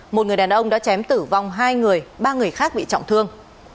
một người đàn ông đã chém tử vong hai người ba người khác bị trọng thương